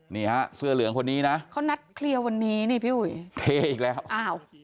นี่ฮะเสื้อเหลืองคนนี้นะเขานัดเคลียร์วันนี้นี่พี่อุ๋ยเทอีกแล้วอ้าว